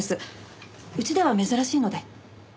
うちでは珍しいので。